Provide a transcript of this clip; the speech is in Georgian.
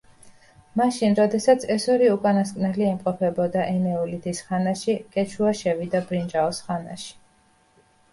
მაშინ, როდესაც ეს ორი უკანასკნელი იმყოფებოდა ენეოლითის ხანაში, კეჩუა შევიდა ბრინჯაოს ხანაში.